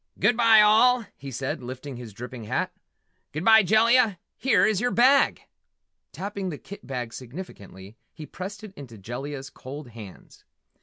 "Goodbye, all!" he said, lifting his dripping hat. "Goodbye, Jellia here is your bag!" Tapping the kit bag significantly, he pressed it into Jellia's cold hands.